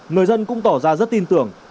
người dân cũng tỏ ra rất tin tưởng